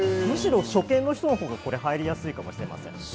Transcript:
むしろ初見の人のほうが入りやすいかもしれません。